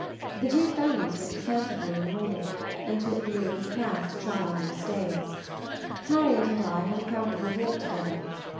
The two Fannies went to Canty. in the morning, and took Lou. and Cass. to try on new stays. Harriet and I had a comfortable walk together.